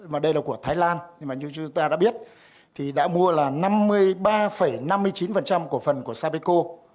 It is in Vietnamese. mà đây là của thái lan nhưng mà như chúng ta đã biết thì đã mua là năm mươi ba năm mươi chín cổ phần của sapeco